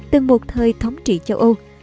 từng một thời thống trị châu âu